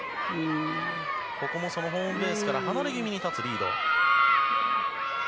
ここもホームベースから離れ気味に立つリード。